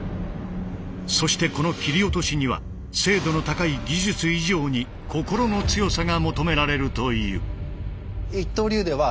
そしてこの切落には精度の高い技術以上に心の強さが求められるという。